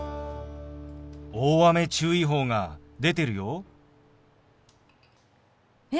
大雨注意報が出てるよ。